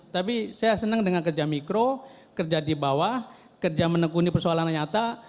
tapi saya senang dengan kerja mikro kerja di bawah kerja menekuni persoalan yang nyata